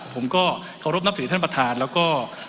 ผมก็เคารพนับถือท่านประธานแล้วก็